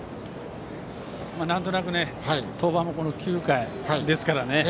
なんとなく登板も９回ですからね